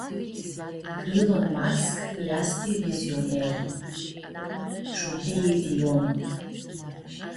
Ilon Masc easti vizionerlu, ciudii di om.